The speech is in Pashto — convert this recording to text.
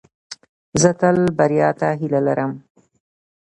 زه تل بریا ته هیله لرم.